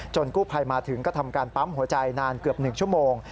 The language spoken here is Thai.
กู้ภัยมาถึงก็ทำการปั๊มหัวใจนานเกือบ๑ชั่วโมง